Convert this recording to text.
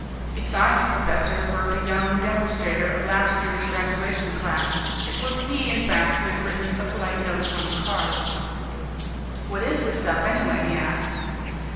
Beside the professor worked a young demonstrator of last year's graduation class. It was he, in fact, who had written the polite notice on the card. "What is the stuff, anyway?" he asked.